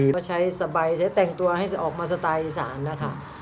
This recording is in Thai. ก็ใช้สบายใช้แต่งตัวให้ออกมาสไตล์อีสานนะคะ